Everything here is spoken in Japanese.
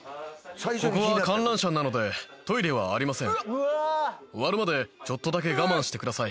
ここは観覧車なのでトイレはありません終わるまでちょっとだけ我慢してください